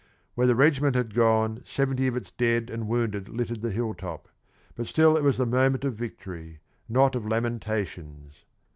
Where the regiment had gone seventy of its dead and wounded littered the hilltop, but still it was the moment of victory, not of lamentations.